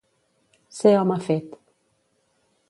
Ser home fet.